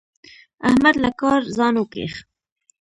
احمد له کاره ځان وکيښ.